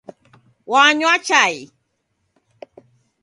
Wanywa chai.